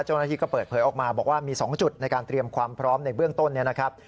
เจ้าหน้าที่ก็เปิดเผยออกมาบอกว่ามี๒จุดในการเตรียมความพร้อมในเบื้องต้นเนี่ยนะครับ